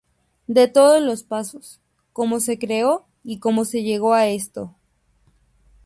De todos los pasos, cómo se creó y cómo se llegó a esto.